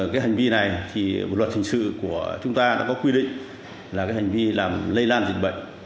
cái hành vi này thì bộ luật hình sự của chúng ta đã có quy định là cái hành vi làm lây lan dịch bệnh